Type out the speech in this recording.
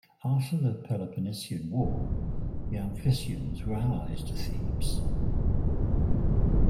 After the Peloponnesian War the Amfissians were allies to Thebes.